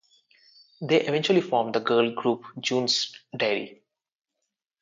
They eventually formed the girl group June's Diary.